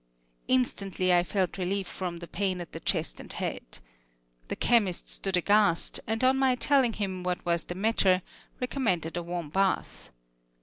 Instantly I felt relief from the pain at the chest and head. The chemist stood aghast, and on my telling him what was the matter, recommended a warm bath.